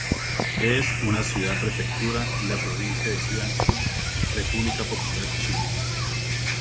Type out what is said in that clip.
Es una ciudad-prefectura en la provincia de Jiangsu, República Popular China.